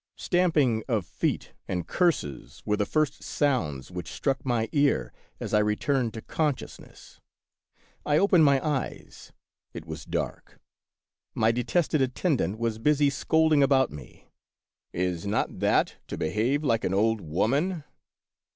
Stamping of feet and curses were the first sounds which struck my ear as I returned to consciousness. I opened my eyes : it was dark ; my detested attendant was busy scolding about me. " Is not that to behave like an old woman